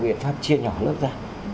biện pháp chia nhỏ lớp ra